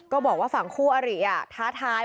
ก็บอกว่าฝั่งคู่อาริอ่ะท้าทาย